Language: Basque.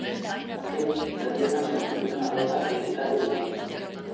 Azkenik, dendetan saltzen duten arropa kritikatu du.